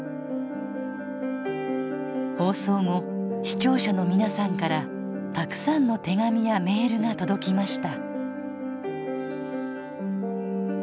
放送後視聴者の皆さんからたくさんの手紙やメールが届きました